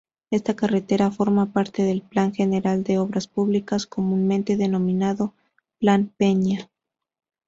Esta carretera formaba parte del Plan General de Obras Públicas, comúnmente denominado "Plan Peña".